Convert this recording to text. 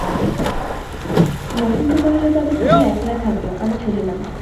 মহেন্দ্র কহিল, তবে তুমি একলা থাকো, আমি চলিলাম।